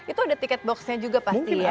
itu ada tiket boxnya juga pasti ya